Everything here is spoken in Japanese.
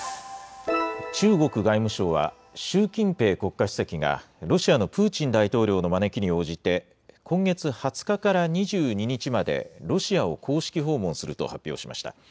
中国外務省は、習近平国家主席が、ロシアのプーチン大統領の招きに応じて、今月２０日から２２日まで、ロシアを公式訪問すると発表しました。